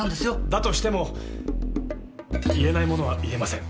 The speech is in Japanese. だとしても言えないものは言えません。